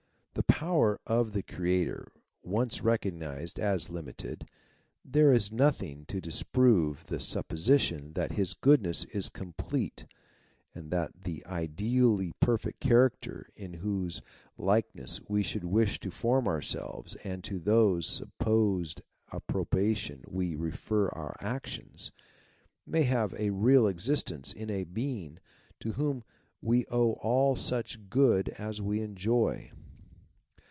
The power of the Creator once recognized as limited, there is nothing to dis prove tlie supposition that his goodness is complete and that the ideally perfect character in whose like GENERAL RESULT 253 ness we should wish to form ourselves and to whose supposed approbation we refer our actions, may have a real existence in a Being to whom we owe all such good as we enjoy.